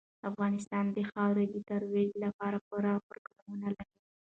افغانستان د خاورې د ترویج لپاره پوره پروګرامونه لري.